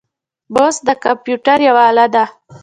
موس د کمپیوټر یوه اله ده.